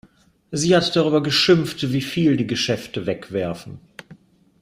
Sie hat darüber geschimpft, wie viel die Geschäfte wegwerfen.